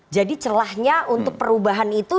jadi celahnya untuk perubahan itu